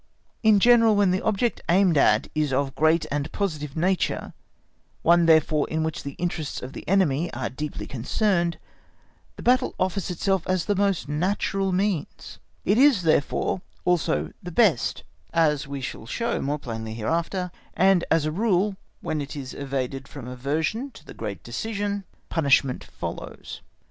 In general, when the object aimed at is of a great and positive nature, one therefore in which the interests of the enemy are deeply concerned, the battle offers itself as the most natural means; it is, therefore, also the best as we shall show more plainly hereafter: and, as a rule, when it is evaded from aversion to the great decision, punishment follows.